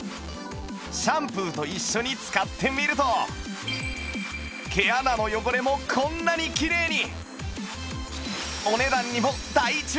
シャンプーと一緒に使ってみると毛穴の汚れもこんなにきれいに！